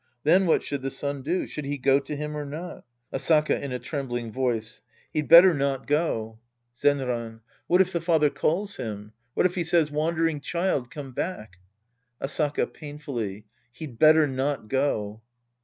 Then what should the son do ? Should he go to him or not ? Asaka {in a trembling voice). He'd better not go. 114 The Priest and His Disciples Act III Zenran. What if the father calls him ? What if he says, " Wandering child, come back." Asaka {painfully). He'd better not go.